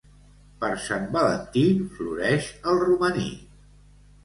Per Sant Valentí, floreix el romaní.